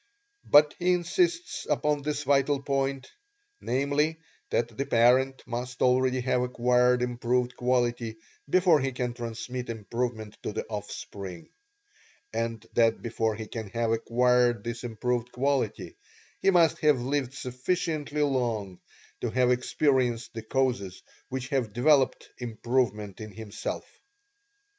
But he insists upon this vital point, namely, that the parent must already have acquired improved quality before he can transmit improvement to the offspring and that before he can have acquired this improved quality, he must have lived sufficiently long to have experienced the causes which have developed improvement in himself.